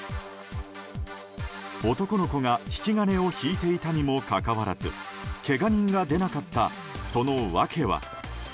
男の子が引き金を引いていたにもかかわらずけが人が出なかったその訳は。